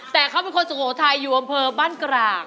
แต่เขาเป็นคนสุโขทัยอยู่อำเภอบ้านกลาง